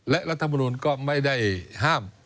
และรัฐมนุนก็ไม่ได้ห้าม